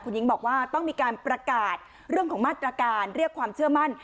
หญิงบอกว่าต้องมีการประกาศเรื่องของมาตรการเรียกความเชื่อมั่น